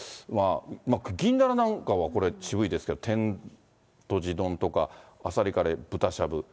銀だらなんかはこれ、渋いですけど、天とじ丼とか、あさりカレー、豚しゃぶ。